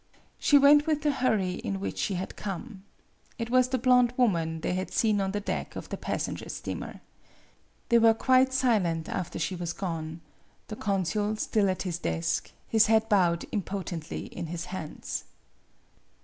She went with the hurry in which she had MADAME BUTTERFLY 81 come. It was the blonde woman they had seen on the deck of the passenger steamer. They were quite silent after she was gone the consul still at his desk, his head bowed impotently in his hands.